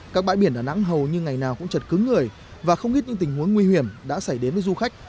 các bãi biển đà nẵng hầu như ngày nào cũng chật cứng người và không ít những tình huống nguy hiểm đã xảy đến với du khách